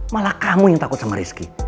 malah kamu yang takut sama rizki